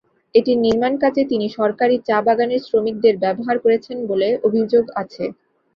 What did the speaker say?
এটির নির্মাণকাজে তিনি সরকারি চা-বাগানের শ্রমিকদের ব্যবহার করেছেন বলে অভিযোগ আছে।